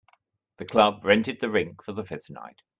The club rented the rink for the fifth night.